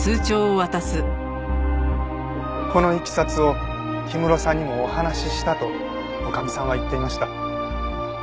このいきさつを氷室さんにもお話ししたと女将さんは言っていました。